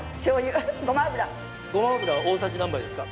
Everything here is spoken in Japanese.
ごま油大さじ何杯ですか？